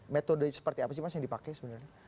metode seperti apa sih mas yang dipakai sebenarnya